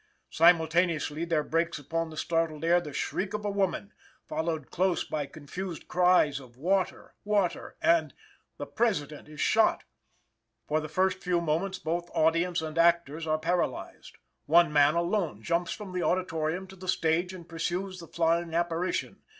Simultaneously, there breaks upon the startled air the shriek of a woman, followed close by confused cries of "Water! Water!" and "The President is shot!" For the first few moments both audience and actors are paralyzed. One man alone jumps from the auditorium to the stage and pursues the flying apparition.